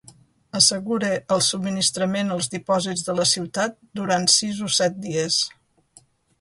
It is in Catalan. Assegura el subministrament als dipòsits de la ciutat durant sis o set dies.